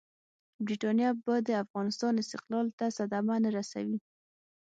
برټانیه به د افغانستان استقلال ته صدمه نه رسوي.